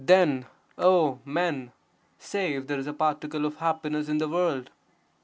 (Then) oh men, say if there is a particle of happiness in the world.